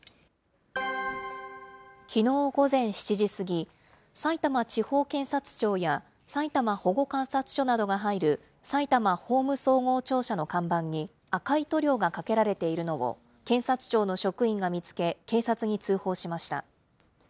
きのう午前７時過ぎ、さいたま地方検察庁やさいたま保護観察所などが入る、さいたま法務総合庁舎の看板に赤い塗料がかけられているのを検察庁の職員が見つけ、警察に通報しました。